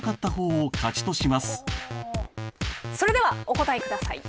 それではお答えください。